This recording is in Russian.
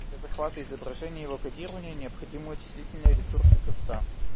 Для захвата изображения и его кодирования необходимы вычислительные ресурсы хоста